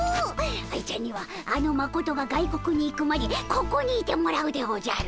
愛ちゃんにはあのマコトが外国に行くまでここにいてもらうでおじゃる。